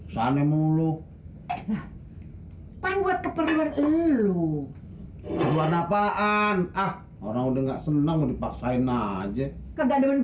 sana mulu pengguna keperluan lu buat apaan ah orang udah nggak senang dipaksain aja kegaduhan